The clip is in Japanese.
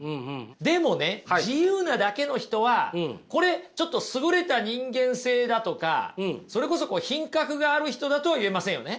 でもね自由なだけの人はこれちょっと優れた人間性だとかそれこそ品格がある人だとは言えませんよね。